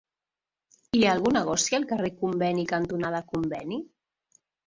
Hi ha algun negoci al carrer Conveni cantonada Conveni?